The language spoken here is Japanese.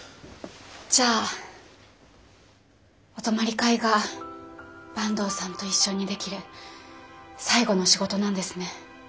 じゃあお泊まり会が坂東さんと一緒にできる最後の仕事なんですね。